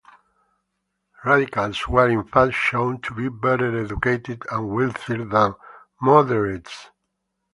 Radicals were in fact shown to be better educated and wealthier than 'moderates'.